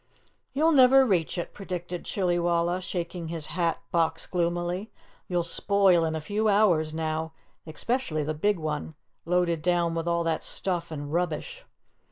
"You'll never reach it," predicted Chillywalla, shaking his hat box gloomily. "You'll spoil in a few hours now, especially the big one, loaded down with all that stuff and rubbish.